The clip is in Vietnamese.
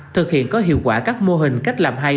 thực hiện có hiệu quả các mô hình cách làm hay